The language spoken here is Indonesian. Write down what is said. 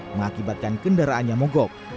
mengakibatkan kendaraannya mogok